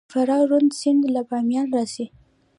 د فراه رود سیند له بامیان راځي